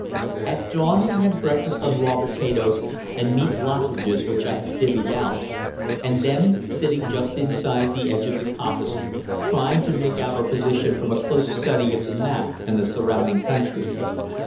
At dawn we had breakfast on raw potatoes and meat lozenges which I divided out, and then, sitting just inside the edge of the coppice, tried to make out our position from a close study of the map and the surrounding country.